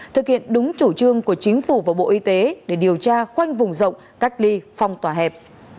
thực hiện đúng chủ trương của chính phủ và bộ y tế để điều tra khoanh vùng rộng cách ly phong tỏa hẹp